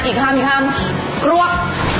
อีกขั้นกรวบ